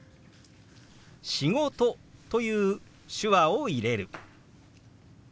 「仕事」という手話を入れる。